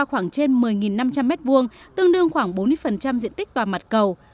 khoảng trên một mươi năm trăm linh m hai tương đương khoảng bốn mươi diện tích toàn mặt cầu